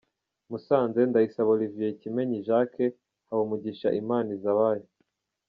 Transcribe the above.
Musanze: Ndayisaba Olivier, Kimenyi Jacques, Habumugisha Imanizabayo.